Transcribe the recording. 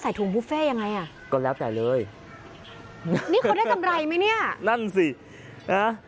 ถุงบุฟเฟ่ยังไงอ่ะก็แล้วแต่เลยนี่เขาได้กำไรไหมเนี่ยนั่นสินะ